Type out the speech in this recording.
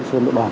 trên địa bàn